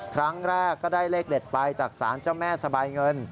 ครั้งแรกก็ได้เลขเด็ดไปจากศาลเจ้าแม่สบายเงิน